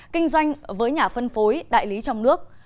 kinh doanh với nhà phân phối đại lý trong nước